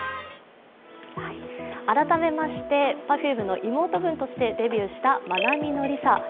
改めまして、Ｐｅｒｆｕｍｅの妹分としてデビューしたまなみのりさ。